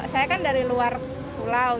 saya kan dari luar pulau